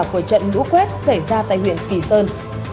của trận lũ quét xảy ra tại huyện kỳ sơn